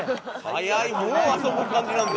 早いもう遊ぶ感じなんだ。